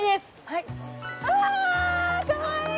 はいあかわいい！